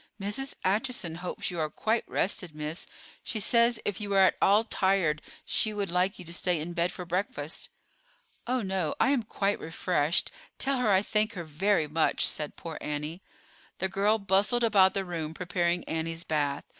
"Mrs. Acheson hopes you are quite rested, miss. She says if you are at all tired she would like you to stay in bed for breakfast." "Oh, no, I am quite refreshed. Tell her I thank her very much," said poor Annie. The girl bustled about the room preparing Annie's bath.